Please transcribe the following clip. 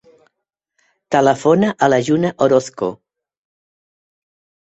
Telefona a la Juna Orozco.